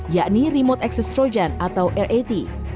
yakni remote access trojan atau rat